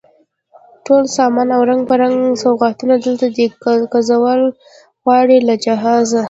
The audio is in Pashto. ټول سامان او رنګ په رنګ سوغاتونه، دلته دی کوزول غواړي له جهازه